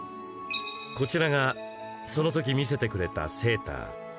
こちらがその時見せてくれたセーター。